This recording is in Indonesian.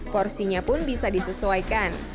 porsinya pun bisa disesuaikan